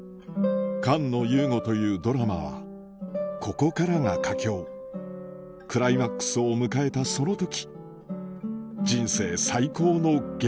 「菅野祐悟」というドラマはここからが佳境クライマックスを迎えたその時人生最高の劇